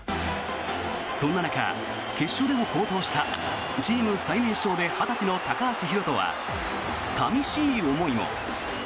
そんな中、決勝でも好投したチーム最年少で２０歳の高橋宏斗は寂しい思いを。